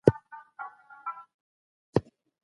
دا پوهه ژوند اسانه کوي.